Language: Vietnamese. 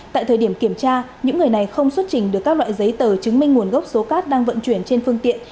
tại thời điểm kiểm tra những người này không xuất trình được các loại giấy tờ chứng minh nguồn gốc số cát đang vận chuyển trên phương tiện